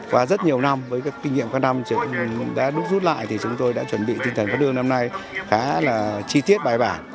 qua rất nhiều năm với kinh nghiệm qua năm đã rút lại chúng tôi đã chuẩn bị tinh thần phát lương năm nay khá là chi tiết bài bản